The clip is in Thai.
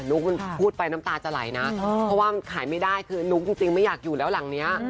ุ๊กพูดไปน้ำตาจะไหลนะเพราะว่ามันขายไม่ได้คือนุ๊กจริงไม่อยากอยู่แล้วหลังนี้